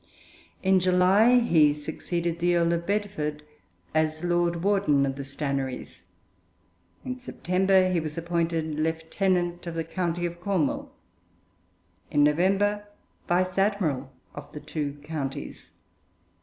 In July he succeeded the Earl of Bedford as Lord Warden of the Stannaries; in September he was appointed Lieutenant of the County of Cornwall; in November, Vice Admiral of the two counties.